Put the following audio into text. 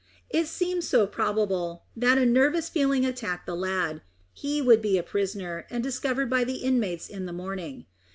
It seemed so probable, that a nervous feeling attacked the lad. He would be a prisoner, and discovered by the inmates in the morning.